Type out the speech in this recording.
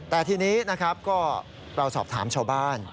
แล้วก็เราสอบถามชาวบ้าน